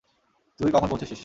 তুই কখন পৌঁছেছিস?